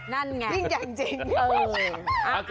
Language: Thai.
นั่นไงยิ่งอย่างจริงเออ